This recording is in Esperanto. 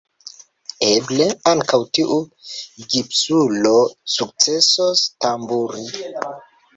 Eble, ankaŭ tiu gipsulo sukcesos tamburi.